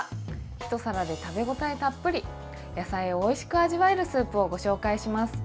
ひと皿で食べ応えたっぷり野菜をおいしく味わえるスープをご紹介します。